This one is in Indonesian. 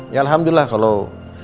ya alhamdulillah kalau